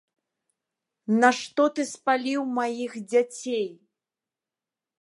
Нашто ты спаліў маіх дзяцей!